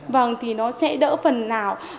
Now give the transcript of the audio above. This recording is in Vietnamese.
vâng thì nó sẽ đỡ phần nào